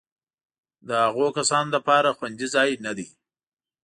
د هغو کسانو لپاره خوندي ځای نه دی.